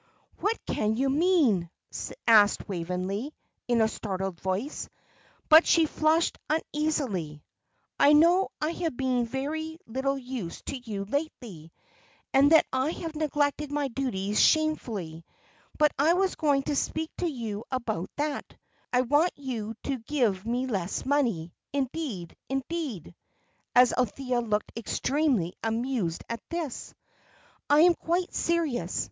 "What can you mean?" asked Waveney, in a startled voice; but she flushed uneasily. "I know I have been very little use to you lately, and that I have neglected my duties shamefully; but I was going to speak to you about that; I want you to give me less money indeed indeed," as Althea looked extremely amused at this, "I am quite serious.